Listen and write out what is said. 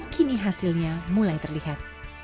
kini hasilnya mulai terlihat